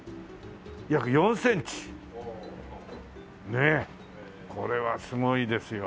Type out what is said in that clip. ねえこれはすごいですよ。